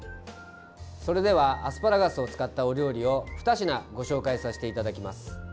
それではアスパラガスを使ったお料理を２品、ご紹介させていただきます。